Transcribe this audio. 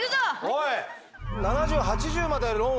おい！